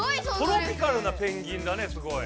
トロピカルなペンギンだねすごい。